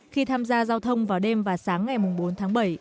khi tham gia giao thông vào đêm và sáng ngày bốn tháng bảy